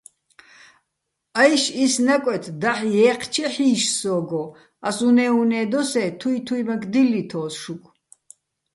აჲში̆ ის ნაკვეთ დაჰ̦ ჲე́ჴჩეჰ̦ი́შ სო́გო, ას უ̂ნე-უ̂ნე დოსე́ თუჲ თუჲმაქ დილლითოს შუგო̆.